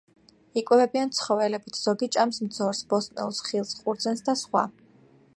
იკვებებიან ცხოველებით, ზოგი ჭამს მძორს, ბოსტნეულს, ხილს, ყურძენს და სხვა.